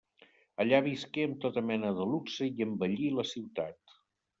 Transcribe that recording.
Allà visqué amb tota mena de luxe i embellí la ciutat.